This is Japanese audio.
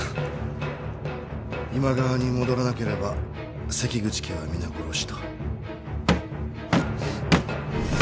今川に戻らなければ関口家は皆殺しと。